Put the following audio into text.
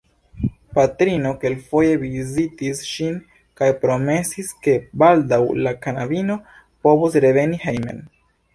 Patrino kelkfoje vizitis ŝin kaj promesis, ke baldaŭ la knabino povos reveni hejmen.